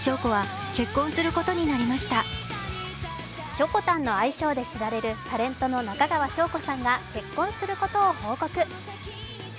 しょこたんの愛称で知られるタレントの中川翔子さんが結婚することを報告。